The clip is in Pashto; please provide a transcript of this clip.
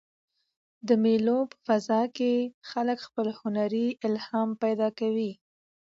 د مېلو په فضا کښي خلک خپل هنري الهام پیدا کوي.